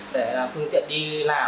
để phương tiện đi làm